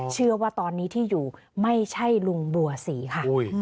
เชื่อว่าตอนนี้ที่อยู่ไม่ใช่ลุงบัวศรีค่ะ